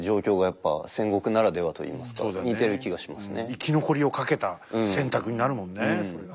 生き残りを懸けた選択になるもんねそれがね。